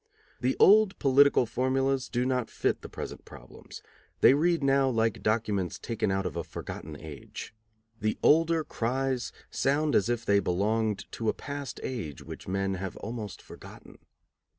The old political formulas do not fit the present problems; they read now like documents taken out of a forgotten age. The older cries sound as if they belonged to a past age which men have almost forgotten.